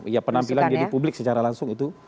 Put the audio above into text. ya penampilan jadi publik secara langsung itu